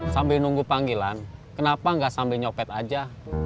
sambil nunggu panggilan kenapa nggak sambil nyopet aja